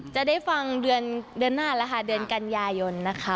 จะได้ฟังเดือนหน้าแล้วค่ะเดือนกันยายนนะคะ